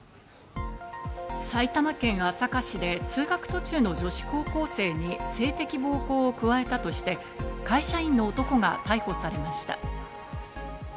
埼玉県朝霞市で通学途中の女子高校生に性的暴行を加えたとして、会社員の男が逮捕されました。